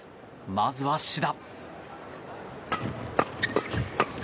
まずは志田。